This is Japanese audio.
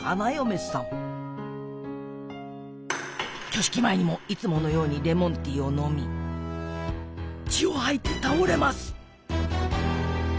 挙式前にもいつものようにレモンティーを飲み血を吐いて倒れます！